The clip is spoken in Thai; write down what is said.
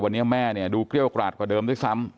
วันนี้แม่เนี่ยดูเกรี้ยวกราดกว่าเดิมด้วยซ้ำ